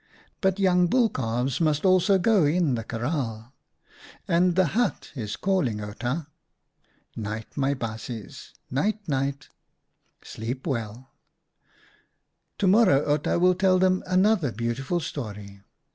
But young bull calves must also go in the kraal, and the hut is calling Outa. Night, my baasjes, night, night. Sleep well. To morrow Outa will tell them another beautiful story.